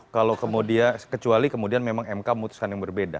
kalau kemudian kecuali kemudian memang mk memutuskan yang berbeda